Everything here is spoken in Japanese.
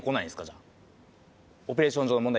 じゃあオペレーション上の問題